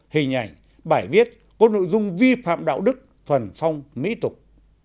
hình ảnh bài viết có nội dung vi phạm đạo đức thuần phong mỹ tục